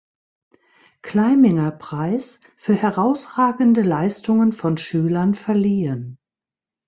Kleiminger-Preis“ für herausragende Leistungen von Schülern verliehen.